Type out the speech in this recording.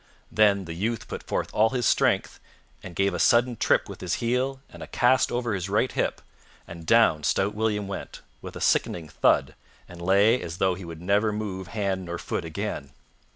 Then the youth put forth all his strength and gave a sudden trip with his heel and a cast over his right hip, and down stout William went, with a sickening thud, and lay as though he would never move hand nor foot again.